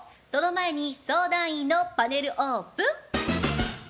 その前に相談員のパネルオープン。